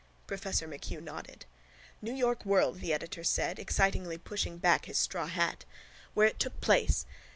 Professor MacHugh nodded. —New York World, the editor said, excitedly pushing back his straw hat. Where it took place.